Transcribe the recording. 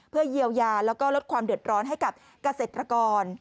เพื่อเยียวยาแล้วก็ลดความเดือดร้อนให้กับเกษตรกร